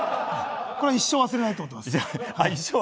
一生忘れないと思ってます。